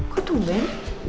kok tuh ben